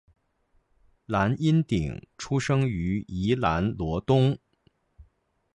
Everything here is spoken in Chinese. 蓝荫鼎出生于宜兰罗东